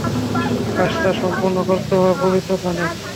কাজটা সম্পন্ন করতে হবে পবিত্র স্থানে।